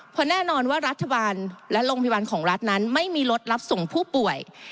เพราะแน่นอนว่ารัฐบาลและโรงพยาบาลของรัฐนั้นไม่มีรถรับส่งผู้ป่วย